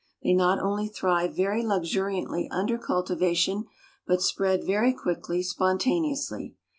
They not only thrive very luxuriantly under cultivation, but spread very quickly spontaneously.